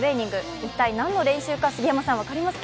一体何の練習か、杉山さん、分かりますか？